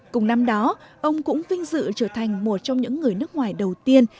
cùng năm đó ông cũng vinh dự trở thành một trong những người nước ngoài đầu tiên